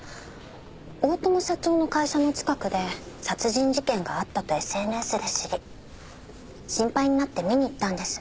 大友社長の会社の近くで殺人事件があったとＳＮＳで知り心配になって見に行ったんです。